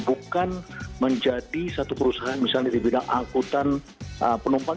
bukan menjadi satu perusahaan misalnya di bidang angkutan penumpang